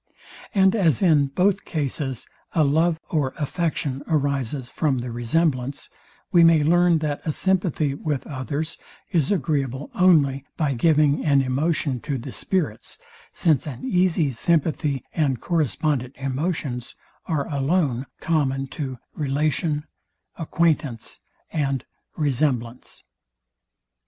And as in both cases a love or affection arises from the resemblance, we may learn that a sympathy with others is agreeable only by giving an emotion to the spirits, since an easy sympathy and correspondent emotions are alone common to RELATION, ACQUAINTANCE, and RESEMBLANCE.